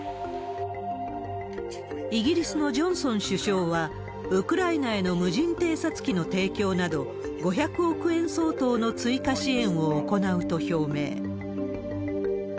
イギリスのジョンソン首相は、ウクライナへの無人偵察機の提供など、５００億円相当の追加支援を行うと表明。